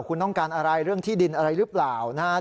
คุณต้องการอะไรเรื่องที่ดินอะไรหรือเปล่านะครับ